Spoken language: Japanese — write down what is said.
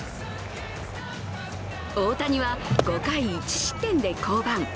大谷は５回１失点で降板。